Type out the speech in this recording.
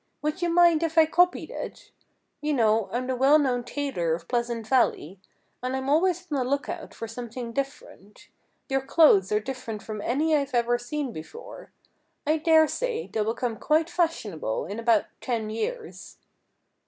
Would you mind if I copied it? You know, I'm the well known tailor of Pleasant Valley. And I'm always on the lookout for something different. Your clothes are different from any I've ever seen before. I dare say they'll become quite fashionable in about ten years."